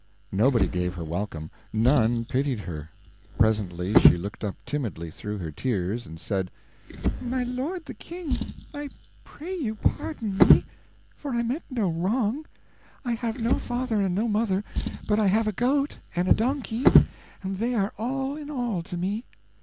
Nobody gave her welcome, none pitied her. Presently she looked up timidly through her tears, and said: "My lord the king, I pray you pardon me, for I meant no wrong. I have no father and no mother, but I have a goat and a donkey, and they are all in all to me.